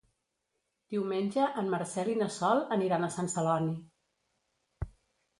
Diumenge en Marcel i na Sol aniran a Sant Celoni.